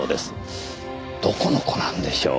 どこの子なんでしょう？